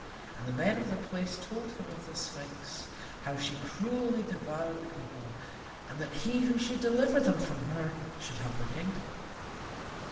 And the men of the place told him of the Sphinx, how she cruelly devoured the people, and that he who should deliver them from her should have the kingdom.